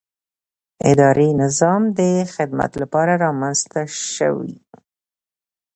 اداري نظام د خدمت لپاره رامنځته شوی.